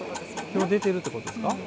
きょう、出てるってことですか。